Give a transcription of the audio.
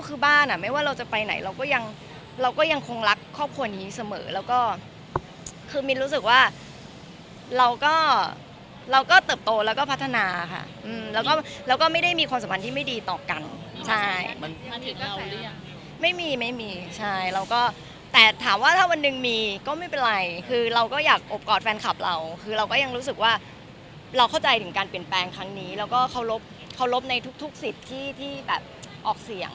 คือมินรู้สึกว่าเราก็เราก็เติบโตแล้วก็พัฒนาค่ะอืมแล้วก็แล้วก็ไม่ได้มีความสัมพันธ์ที่ไม่ดีต่อกันใช่ไม่มีไม่มีใช่เราก็แต่ถามว่าถ้าวันหนึ่งมีก็ไม่เป็นไรคือเราก็อยากอบกอดแฟนคับเราคือเราก็ยังรู้สึกว่าเราเข้าใจถึงการเปลี่ยนแปลงครั้งนี้แล้วก็เคารพเคารพในทุกทุกสิทธิที่ที่แบบออกเสียง